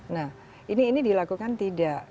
nah ini dilakukan tidak